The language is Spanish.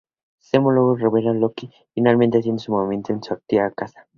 Zemo luego se revela como Loki, finalmente haciendo su movimiento en su antigua casa.